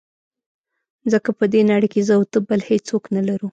ځکه په دې نړۍ کې زه او ته بل هېڅوک نه لرو.